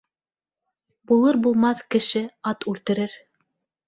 Булыр-булмаҫ кеше ат үлтерер.